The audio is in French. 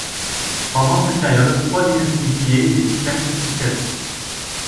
Pendant cette période, trois dynasties liées, mais distinctes se succèdent.